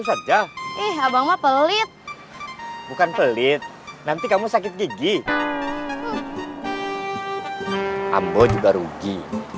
saja eh abang mah pelit bukan pelit nanti kamu sakit gigi ambo juga rugi